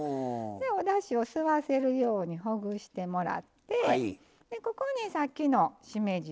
おだしを吸わせるようにほぐしてもらってここにさっきのしめじ。